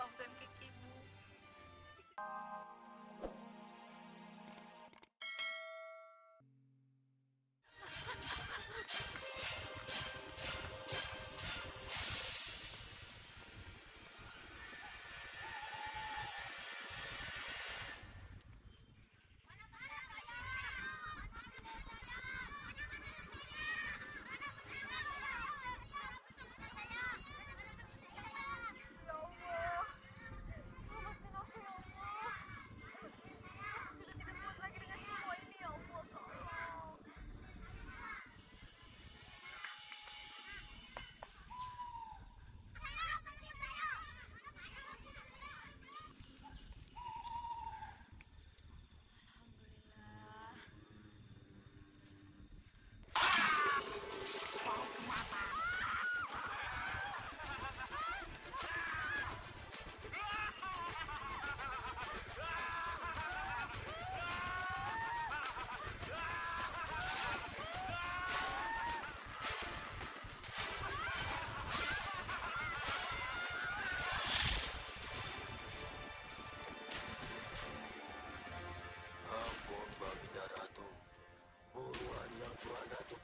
buruan yang tuhan datuk